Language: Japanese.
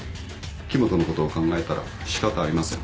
木元のことを考えたら仕方ありません。